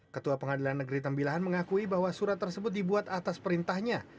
ketua pengadilan negeri tembilahan mengakui bahwa surat tersebut dibuat atas perintahnya